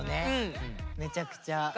めちゃくちゃ。